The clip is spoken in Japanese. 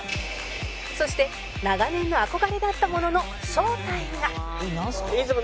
そして長年の憧れだったものの正体が